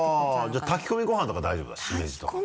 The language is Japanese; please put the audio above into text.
じゃあ炊き込みご飯とか大丈夫だしめじとか。